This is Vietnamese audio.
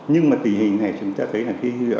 nhưng mà tùy hình này chúng ta thấy là